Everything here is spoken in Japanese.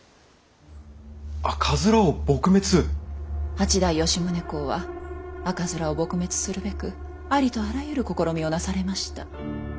八代吉宗公は赤面を撲滅するべくありとあらゆる試みをなされました。